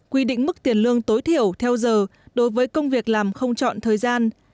quy định mức tiền lương tối thiểu theo giờ đối với công việc làm không chọn thời gian